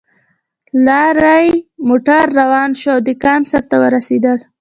لارۍ موټر روان شو او د کان سر ته ورسېدل